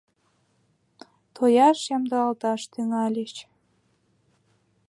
Тояш ямдылалташ тӱҥальыч.